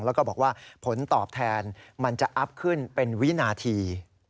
แล้วก็บอกว่าผลตอบแทนมันจะอัพขึ้นเป็นวินาที